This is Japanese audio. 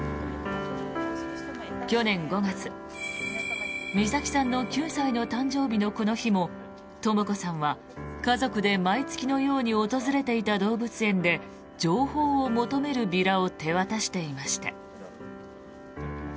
去年５月、美咲さんの９歳の誕生日のこの日もとも子さんは家族で毎月のように訪れていた動物園で情報を求めるビラを手渡していました。